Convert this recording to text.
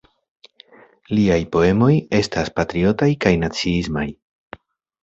Liaj poemoj estas patriotaj kaj naciismaj.